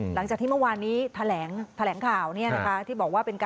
หลังจากที่เมื่อวานนี้แถลงแถลงข่าวเนี่ยนะคะที่บอกว่าเป็น